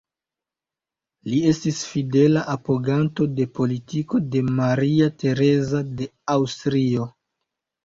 Li estis fidela apoganto de politiko de Maria Tereza de Aŭstrio.